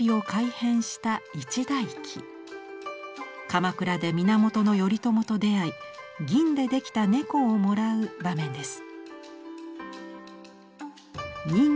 鎌倉で源頼朝と出会い銀で出来た猫をもらう場面です。